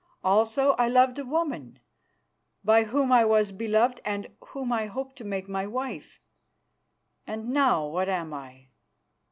Also I loved a woman, by whom I was beloved and whom I hoped to make my wife. And now what am I?